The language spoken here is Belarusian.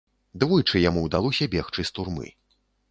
Двойчы яму ўдалося бегчы з турмы.